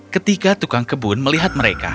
ketika tukang kebun melihat mereka